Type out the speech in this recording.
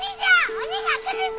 鬼が来るぞ！